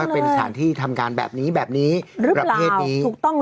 เป็นสถานที่ทำการแบบนี้แบบนี้ประเภทนี้ถูกต้อง